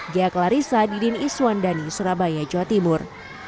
gia klarissa didin iswandani surabaya jawa timur